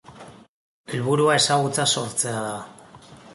Helburua ezagutza sortzea da.